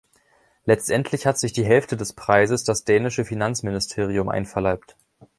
Letztendlich hat sich die Hälfte des Preises das dänische Finanzministerium einverleibt.